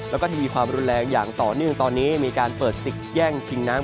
แล้วก็ทวีความรุนแรงอย่างต่อเนื่องตอนนี้มีการเปิดศึกแย่งชิงน้ำ